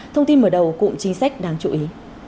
thông tin mở đầu cụm chính sách đáng chú ý